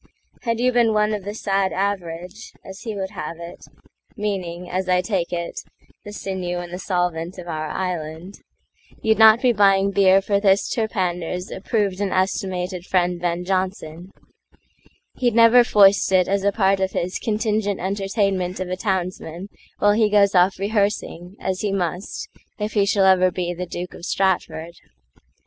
Had you been one of the sad average, As he would have it,—meaning, as I take it, The sinew and the solvent of our Island, You'd not be buying beer for this Terpander'sApproved and estimated friend Ben Jonson; He'd never foist it as a part of hisContingent entertainment of a townsmanWhile he goes off rehearsing, as he must, If he shall ever be the Duke of Stratford.